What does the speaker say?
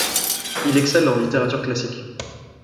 Il excelle en littérature classique.